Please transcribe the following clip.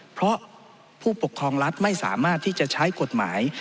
เพราะผู้ปกครองรัฐไม่สามารถที่จะใช้กฎหมาย